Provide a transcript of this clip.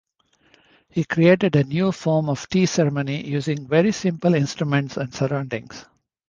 He created a new form of tea ceremony using very simple instruments and surroundings.